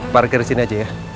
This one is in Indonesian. parkir disini aja ya